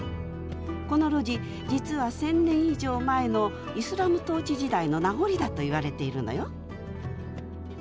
この路地実は１，０００年以上前のイスラム統治時代の名残だといわれているのよ！